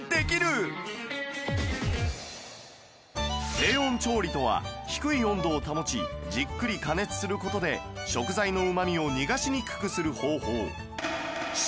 低温調理とは低い温度を保ちじっくり加熱する事で食材のうまみを逃がしにくくする方法